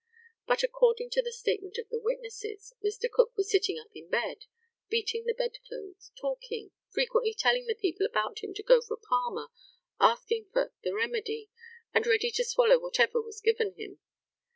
But, according to the statement of the witnesses, Mr. Cook was sitting up in bed, beating the bedclothes, talking, frequently telling the people about him to go for Palmer, asking for "the remedy," and ready to swallow whatever was given him.